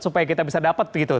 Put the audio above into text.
supaya kita bisa dapat begitu